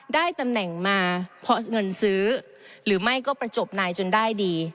ได้ตำแหน่งมาเพราะเงินซื้อหรือไม่ก็ประจบนายจนได้ดี